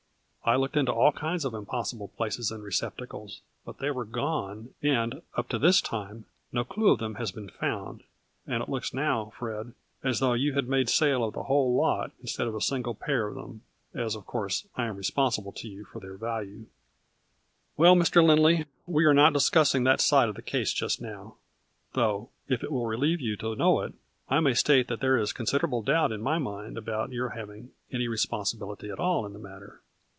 I looked into all kinds of impos sible places and receptacles, but they were gone A FLURRY IN DIAMONDS. 27 and, up to this time, no clue of them has been found, and it looks now, Fred, as though you had made sale of the whole lot, instead of a single pair of them, as, of course, I am responsible to you for their value." " Well, Mr. Lindley, we are not discussing that side of the case just now, though, if it will relieve you to know it, I may state that there is considerable doubt in my mind about your hav ing any responsibility at all in the matter.